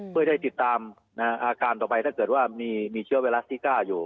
เพื่อได้ติดตามอาการต่อไปถ้าเกิดว่ามีเชื้อไวรัสที่ก้าอยู่